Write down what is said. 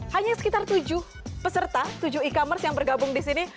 hanya sekitar tujuh peserta tujuh e commerce yang bergabung di sini